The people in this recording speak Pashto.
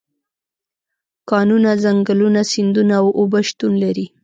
کانونه، ځنګلونه، سیندونه او اوبه شتون لري.